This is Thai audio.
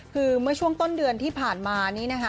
คือเมื่อช่วงต้นเดือนที่ผ่านมา